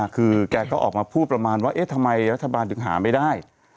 คือแกก็ออกมาพูดประมาณว่าเอ๊ะทำไมรัฐบาลถึงหาไม่ได้